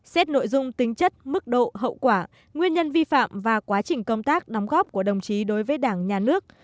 xét nội dung tính chất mức độ hậu quả nguyên nhân vi phạm và quá trình công tác đóng góp của đồng chí đối với đảng nhà nước